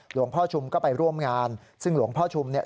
หลวงพ่อชุมก็ไปร่วมงานซึ่งหลวงพ่อชุมเนี่ย